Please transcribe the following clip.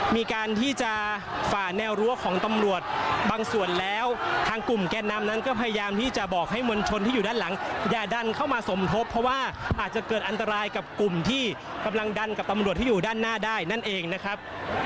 มีการที่จะฝ่าแนวรั้วของตำรวจบางส่วนแล้วทางกลุ่มแกนนำนั้นก็พยายามที่จะบอกให้มวลชนที่อยู่ด้านหลังอย่าดันเข้ามาสมทบเพราะว่าอาจจะเกิดอันตรายกับกลุ่มที่กำลังดันกับตำรวจที่อยู่ด้านหน้าได้นั่นเองนะครับ